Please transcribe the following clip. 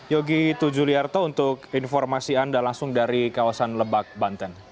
yogi tujuliarto untuk informasi anda langsung dari kawasan lebak banten